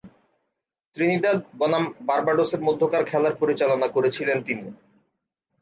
Trinidad বনাম বার্বাডোসের মধ্যকার খেলার পরিচালনা করেছিলেন তিনি।